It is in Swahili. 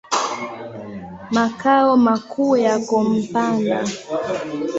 Makao makuu yako Mpanda.